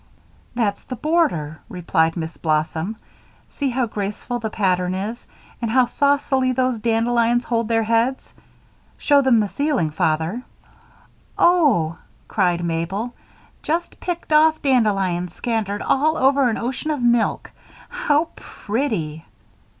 "That's the border," replied Miss Blossom. "See how graceful the pattern is, and how saucily those dandelions hold their heads. Show them the ceiling paper, Father." "Oh!" cried Mabel, "just picked off dandelions scattered all over an ocean of milk how pretty!"